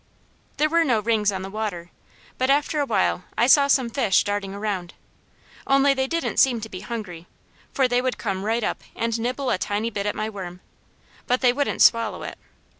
There were no rings on the water, but after a while I saw some fish darting around, only they didn't seem to be hungry; for they would come right up and nibble a tiny bit at my worm, but they wouldn't swallow it.